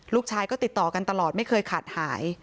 ลูกชายก็ติดต่อกันตลอดไม่เคยขาดหาย